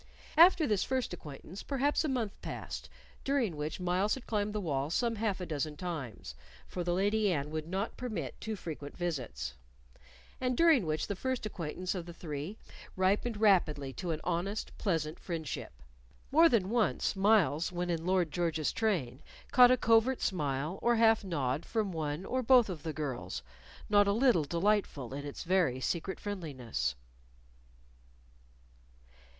After this first acquaintance perhaps a month passed, during which Myles had climbed the wall some half a dozen times (for the Lady Anne would not permit of too frequent visits), and during which the first acquaintance of the three ripened rapidly to an honest, pleasant friendship. More than once Myles, when in Lord George's train, caught a covert smile or half nod from one or both of the girls, not a little delightful in its very secret friendliness.